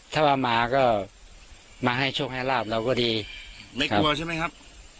ถ้าว่ามาก็มาให้โชคให้ลาบเราก็ดีไม่กลัวใช่ไหมครับ